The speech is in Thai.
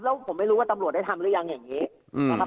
แล้วผมไม่รู้ว่าตำรวจได้ทำหรือยังอย่างนี้นะครับ